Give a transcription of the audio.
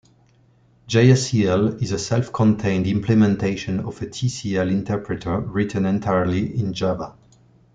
Jacl is a self-contained implementation of a Tcl interpreter, written entirely in Java.